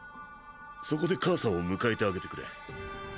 そこで母さんを迎えてあげてくれ。